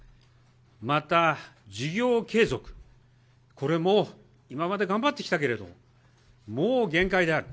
また、事業継続、これも今まで頑張ってきたけれども、もう限界である。